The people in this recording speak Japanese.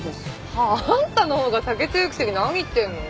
はあ？あんたのほうが酒強いくせに何言ってるの。